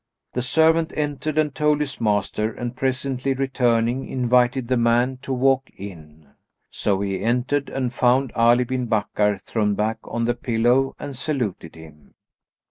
The servant entered and told his master and presently returning, invited the man to walk in. So he entered and found Ali bin Bakkar thrown back on the pillow and saluted him.